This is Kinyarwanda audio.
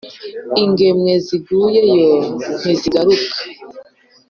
Ingemwe ziguyeyo ntizigaruke,